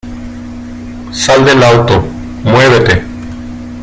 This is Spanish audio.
¡ Sal del auto! ¡ muévete !